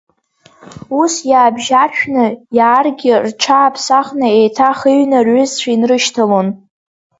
Ус иаабжьаршәны иааргьы рҽааԥсахны еиҭах иҩны рҩызцәа инрышьҭалон.